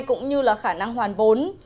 cũng như là khả năng hoàn vốn